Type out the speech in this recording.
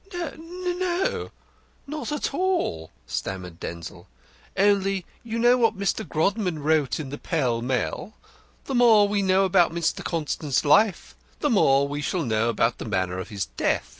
"N n no, not at all," stammered Denzil, "only you know what Mr. Grodman wrote to the Pell Mell. The more we know about Mr. Constant's life the more we shall know about the manner of his death.